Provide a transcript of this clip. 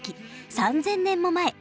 ３，０００年も前！